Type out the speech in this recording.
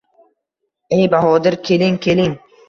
– Ey Bahodir, keling-keling!